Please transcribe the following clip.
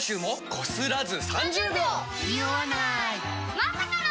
まさかの。